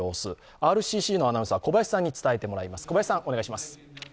ＲＣＣのアナウンサー小林さんに伝えてもらいます。